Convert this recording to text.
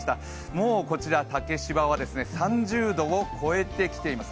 もうこちら、竹芝は３０度を超えてきています。